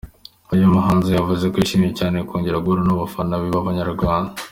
Uyu muhanzi yavuze ko yishimiye cyane kongera guhura n'abafana be b’ababanyarwanda.